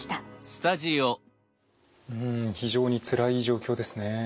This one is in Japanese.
うん非常につらい状況ですね。